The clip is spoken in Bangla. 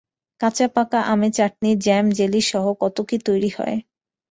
কাঁচা-পাকা আমে চাটনি, জ্যাম, জেলিসহ কত কী তৈরি হয়!